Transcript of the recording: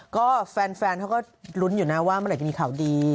ก็แฟนเขาก็ลุ้นอยู่นะว่าเมื่อไหร่จะมีข่าวดี